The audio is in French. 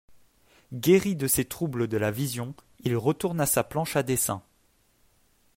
Guéri de ces troubles de la vision, il retourne à sa planche à dessin.